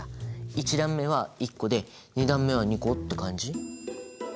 １段目は１個で２段目は２個って感じ？